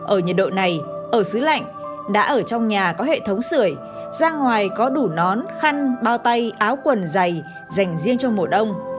ở nhiệt độ này ở xứ lạnh đã ở trong nhà có hệ thống sửa ra ngoài có đủ nón khăn bao tay áo quần dày dành riêng cho mùa đông